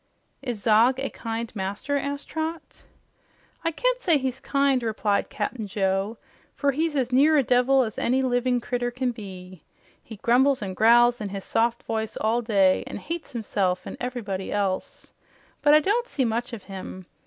"Is Zog a kind master?" asked Trot. "I can't say he's kind," replied Cap'n Joe, "for he's as near a devil as any livin' critter CAN be. He grumbles an' growls in his soft voice all day, an' hates himself an' everybody else. But I don't see much of him.